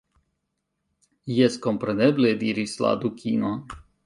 "Jes, kompreneble," diris la Dukino.